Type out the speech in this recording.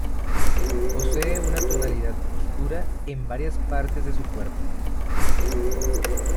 Posee una tonalidad oscura en varias partes de su cuerpo.